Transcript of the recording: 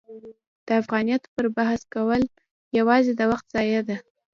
د افغانیت پر بحث کول یوازې د وخت ضایع ده.